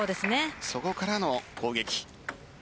そこからの攻撃。